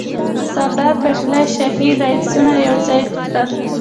سردار پټیل شاهي ریاستونه یوځای کړل.